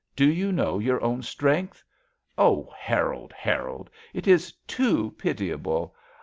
Do you know your own strength? Oh, Harold, Harold, it is too pitiable!